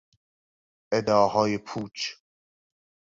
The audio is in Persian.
ادعاهای پوچ